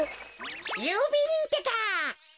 ゆうびんってか。